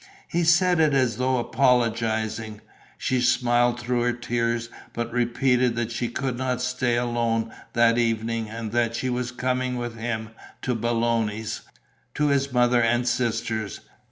He said it as though apologizing. She smiled through her tears but repeated that she could not stay alone that evening and that she was coming with him to Belloni's, to his mother and sisters.